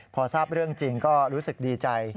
พอทราบเรื่องจริงก็รู้สึกดีใจ